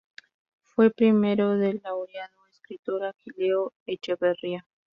Fue primo del laureado escritor Aquileo J. Echeverría.